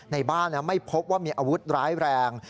ในบ้านไม่พบว่ามีอาวุธร้ายแรง